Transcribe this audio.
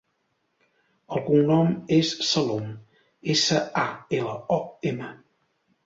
El cognom és Salom: essa, a, ela, o, ema.